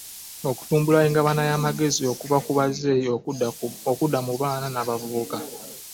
Okutumbula engabana y’amagezi okuva ku bazeeyi okudda mu baana n’abavubuka.